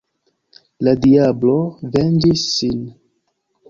La diablo venĝis sin.